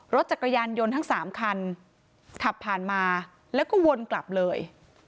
รถจักรยานยนต์ทั้ง๓คันขับผ่านมาแล้วก็วนกลับเลย